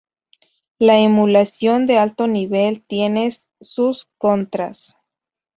La emulación de alto nivel tienes sus contras.